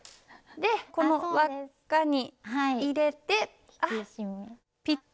でこの輪っかに入れてピッと。